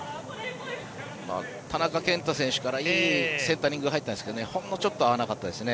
田中健太選手からいいセンタリングが入ったんですがほんのちょっと合わなかったですね。